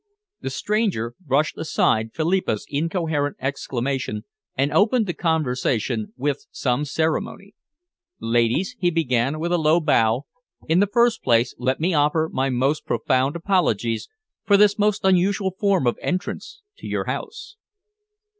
The stranger brushed aside Philippa's incoherent exclamation and opened the conversation with some ceremony. "Ladies," he began, with a low bow, "in the first place let me offer my most profound apologies for this unusual form of entrance to your house."